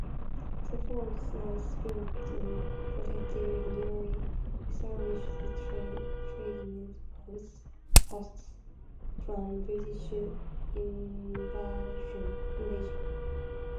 The fort was built to protect their newly established trading posts from British invasion.